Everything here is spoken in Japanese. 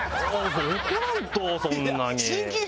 そう怒らんとそんなに。